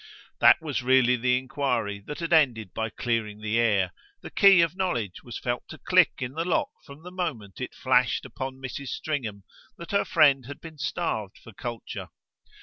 That was really the enquiry that had ended by clearing the air: the key of knowledge was felt to click in the lock from the moment it flashed upon Mrs. Stringham that her friend had been starved for culture.